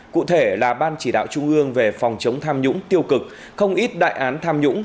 cụ thể là ban chỉ đạo trung ương về phòng chống tham nhũng tiêu cực không ít đại án tham nhũng